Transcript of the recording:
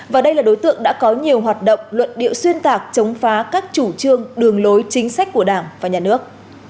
và đây là đối tượng đã có nhiều hoạt động luận điệu xuyên tạc chống phá các chủ trương đường lối chính sách của đảng và nhà nước